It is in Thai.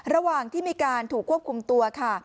ระหว่างที่มีการถูกควบคุมตัวค่ะ